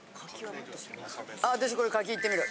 あ私これ柿いってみる。